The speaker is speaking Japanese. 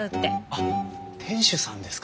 あっ店主さんですか。